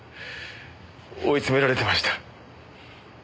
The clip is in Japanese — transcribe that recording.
追い詰められてました。